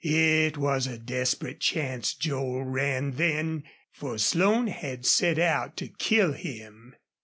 It was a desperate chance Joel ran then, for Slone had set out to kill him.